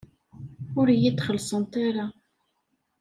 Ur iyi-d-xellṣent ara.